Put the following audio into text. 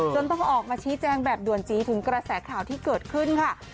ต้องออกมาชี้แจงแบบด่วนจี้ถึงกระแสข่าวที่เกิดขึ้นค่ะ